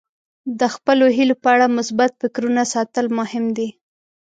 د خپلو هیلو په اړه مثبت فکرونه ساتل مهم دي.